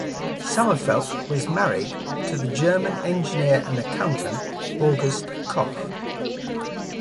Sommerfeldt was married to the German engineer and accountant August Koch.